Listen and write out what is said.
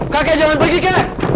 kakek jangan pergi kakek